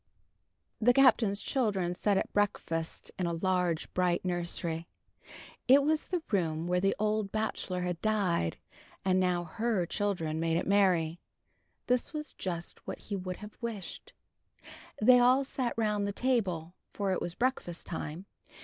IV. The Captain's children sat at breakfast in a large, bright nursery. It was the room where the old bachelor had died, and now her children made it merry. This was just what he would have wished. They all sat round the table, for it was breakfast time.